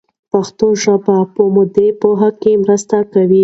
پښتو ژبه مو په دې پوهه کې مرسته کوي.